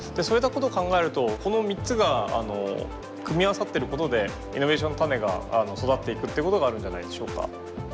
そういったことを考えるとこの３つが組み合わさってることでイノベーションの種が育っていくってことがあるんじゃないでしょうか。